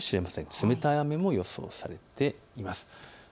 冷たい雨も予想されています。